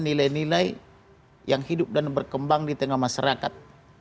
nilai nilai yang hidup dan berkembang di tengah masyarakat